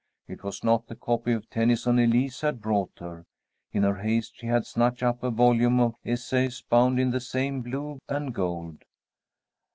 It was not the copy of Tennyson Elise had brought her. In her haste she had snatched up a volume of essays bound in the same blue and gold.